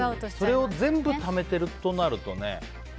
それを全部ためてるってなるとね。